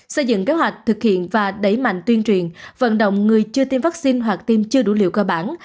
xây dựng kế hoạch thực hiện và đẩy mạnh tuyên truyền vận động người chưa tiêm vaccine hoặc tiêm chưa đủ liều cơ bản